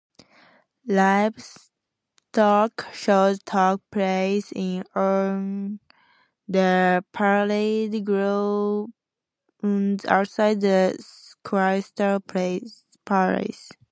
Livestock shows took place on the parade grounds outside the Crystal Palace.